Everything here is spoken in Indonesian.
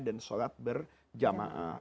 dan sholat berjamaah